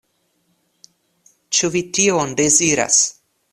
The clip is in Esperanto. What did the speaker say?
Ĉu vi tion deziras?